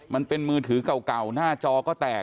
มันเป็นมือถือก่่วงก่่วน่าจอก็แตกนะ